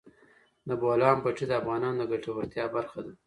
د بولان پټي د افغانانو د ګټورتیا برخه ده.